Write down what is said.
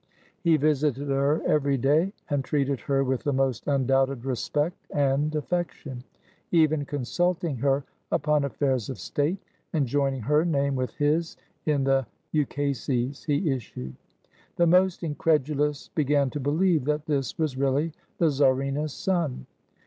He visited her every day, and treated her with the most undoubted respect and affection; even con sulting her upon affairs of state, and joining her name with his in the ukases he issued. The most incredulous began to believe that this was really the czarina's son.